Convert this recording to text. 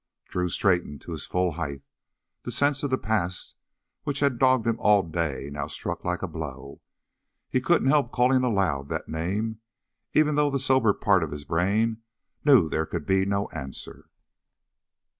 Drew straightened to his full height. The sense of the past which had dogged him all day now struck like a blow. He couldn't help calling aloud that name, even though the soberer part of his brain knew there could be no answer.